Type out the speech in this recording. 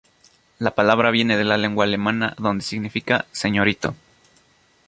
La palabra viene de la lengua alemana, donde significa "señorito".